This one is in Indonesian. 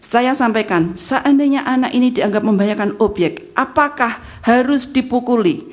saya sampaikan seandainya anak ini dianggap membahayakan obyek apakah harus dipukuli